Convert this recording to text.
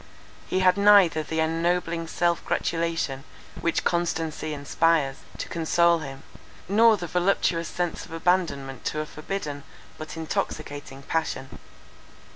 He had neither the ennobling self gratulation, which constancy inspires, to console him, nor the voluptuous sense of abandonment to a forbidden, but intoxicating passion.